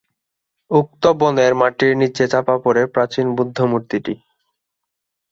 উক্ত বনের মাটির নিচে চাপা পড়ে প্রাচীন বুদ্ধমুর্তিটি।